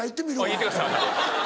行ってください。